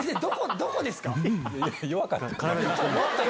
どこですか？